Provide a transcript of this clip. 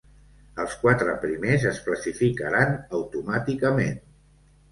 Els quatre primers es classificaran automàticament.